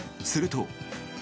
すると。